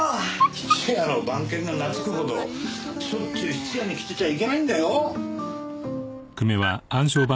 質屋の番犬が懐くほどしょっちゅう質屋に来てちゃいけないんだよ？